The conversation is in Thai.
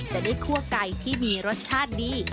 จะได้คั่วไก่ที่มีรสชาติดี